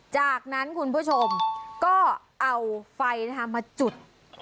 จากนั้นคุณผู้ชมก็เอาไฟมาจุด